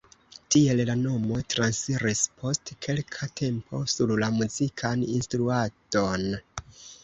Tiel la nomo transiris post kelka tempo sur la muzikan instruadon.